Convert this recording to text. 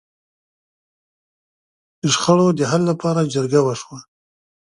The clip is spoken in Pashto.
د شخړو د حل لپاره جرګه وشوه.